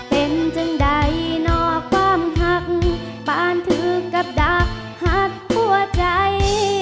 เป็นจึงใดนอกความหักปานถึงกับดักหักหัวใจ